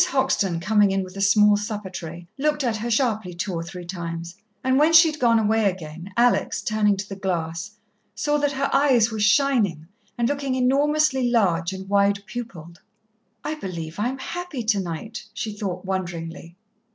Hoxton, coming in with the small supper tray, looked at her sharply two or three times, and when she had gone away again, Alex, turning to the glass, saw that her eyes were shining and looking enormously large and wide pupilled. "I believe I am happy tonight," she thought wonderingly.